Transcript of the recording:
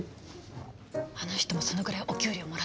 あの人もそのぐらいお給料もらってるってこと？